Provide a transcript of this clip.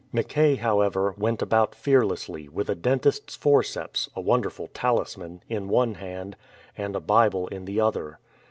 Mackay, however, went about fearlessly, with a dentist's forceps (a wonderful talisman) in one hand and a Bible in the other.